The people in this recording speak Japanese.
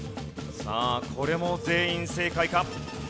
さあこれも全員正解か？